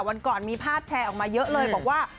วันก่อนมีภาพแชร์ออกมาเยอะเลยบอกว่า